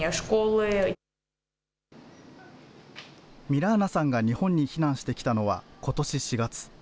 ミラーナさんが日本に避難してきたのはことし４月。